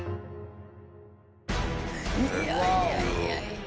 いやいやいやいや。